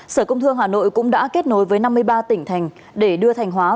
sở công thương hà nội cũng đã kết nối với năm mươi ba tỉnh thành